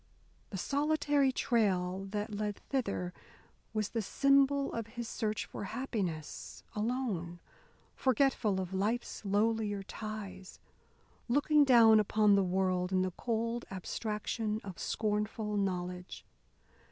The solitary trail that led thither was the symbol of his search for happiness alone, forgetful of life's lowlier ties, looking down upon the world in the cold abstraction of scornful knowledge.